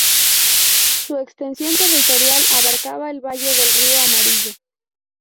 Su extensión territorial abarcaba el valle del río Amarillo.